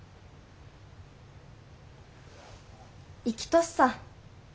生きとっさ。